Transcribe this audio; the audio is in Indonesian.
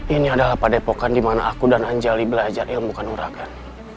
ini adalah pada epokan di mana aku dan anjali belajar ilmu kanurakan